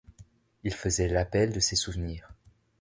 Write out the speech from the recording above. Il faisait l’appel de ses souvenirs.